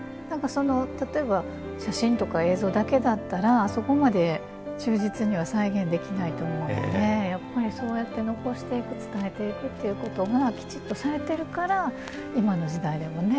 例えば写真とか映像だけだったらあそこまで忠実には再現できないと思うのでやっぱりそうやって残していく伝えていくっていうことがきちっとされてるから今の時代でもね。